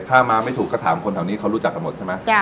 ถ้ามาไม่ถูกก็ถามคนแถวนี้เขารู้จักกันหมดใช่ไหม